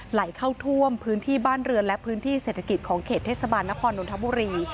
ไหลเข้าท่วมพื้นที่บ้านเรือนและพื้นที่เศรษฐกิจของเขตเทศบาลนครนนทบุรี